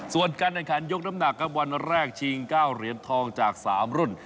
ส่วนการแข่งขันยกน้ำหนักครับวันแรกชิง๙เหรียญทองจาก๓รุ่น